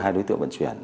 hai đối tượng vận chuyển